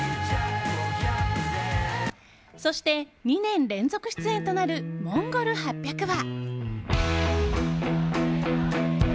そして２年連続出演となるＭＯＮＧＯＬ８００は。